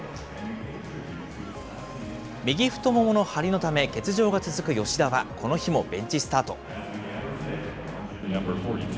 右太ももの張りのため、欠場が続く吉田はこの日もベンチスタート。